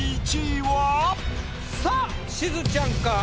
さぁしずちゃんか？